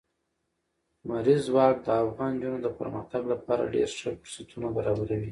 لمریز ځواک د افغان نجونو د پرمختګ لپاره ډېر ښه فرصتونه برابروي.